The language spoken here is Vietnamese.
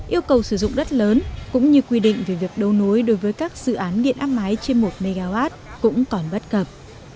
yêu cầu sử dụng đất lớn cũng như quy định về việc đấu nối đối với các dự án điện áp máy trên một mw cũng còn bất cập